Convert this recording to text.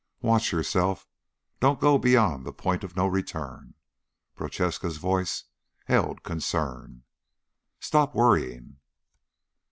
"Watch yourself. Don't go beyond the point of no return." Prochaska's voice held concern. "Stop worrying."